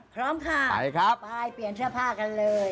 พร้อมค่ะไปครับไปเปลี่ยนเสื้อผ้ากันเลย